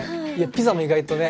ピザも意外とね。